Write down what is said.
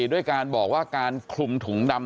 ด้วยการบอกว่าการคลุมถุงดำ